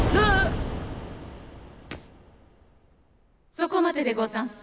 そこまででござんす。